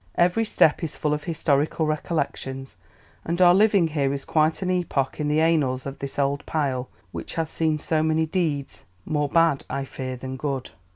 Every step is full of historical recollections, and our living here is quite an epoch in the annals of this old pile, which has seen so many deeds, more bad, I fear, than good."